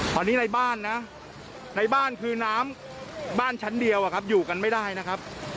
ตอนนี้ในบ้านนะในบ้านคือน้ำบ้านชั้นเดียวอยู่กันไม่ได้นะครับ